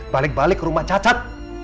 balik balik ke rumah cacat